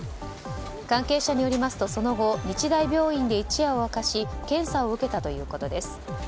関係者によりますとその後、日大病院で一夜を明かし検査を受けたということです。